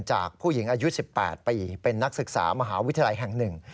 จากผู้หญิงอายุ๑๘ปีเป็นนักศึกษามหาวิทยาลัยแห่งหนึ่ง